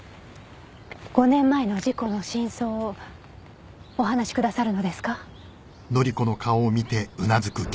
５年前の事故の真相をお話しくださるのですか？